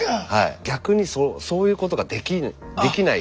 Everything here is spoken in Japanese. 逆にそういうことができない。